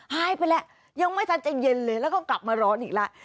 หายไปแล้วยังไม่ทันจะเย็นเลยแล้วก็กลับมาร้อนอีกแล้ว